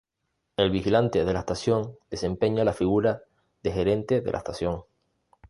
El vigilante de la estación desempeña la figura del gerente de la estación.